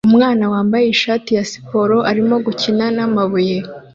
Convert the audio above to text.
Umwana wambaye ishati ya siporo arimo gukina namabuye